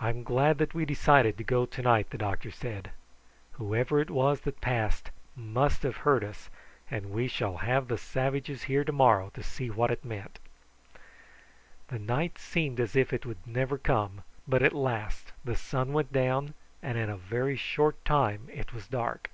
"I'm glad that we decided to go to night," the doctor said. "Whoever it was that passed must have heard us, and we shall have the savages here to morrow to see what it meant." The night seemed as if it would never come, but at last the sun went down, and in a very short time it was dark.